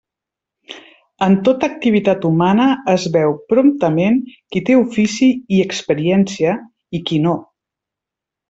En tota activitat humana es veu promptament qui té ofici i experiència i qui no.